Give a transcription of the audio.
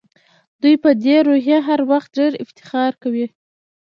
دوی په دې روحیه هر وخت ډېر افتخار کوي.